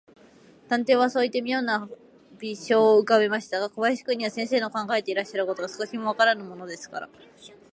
探偵はそういって、みょうな微笑をうかべましたが、小林君には、先生の考えていらっしゃることが、少しもわからぬものですから、